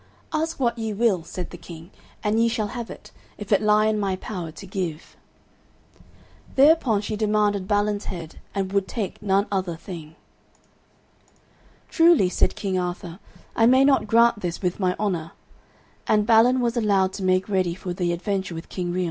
"Ask what ye will," said the King, "and ye shall have it, if it lie in my power to give." Thereupon she demanded Balin's head, and would take none other thing. "Truly," said King Arthur, "I may not grant this with my honour," and Balin was allowed to make ready for the adventure with King Ryons.